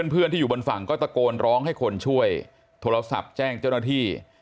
เพื่อนที่อยู่บนฝั่งก็ตะโกนร้องให้คนช่วยโทรศัพท์แจ้งเจ้าหน้าที่